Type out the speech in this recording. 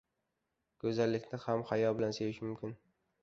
Go‘zallikni ham hayo bilan sevish mumkin.